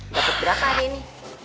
dapet berapa nih ini